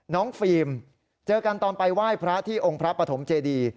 ฟิล์มเจอกันตอนไปไหว้พระที่องค์พระปฐมเจดี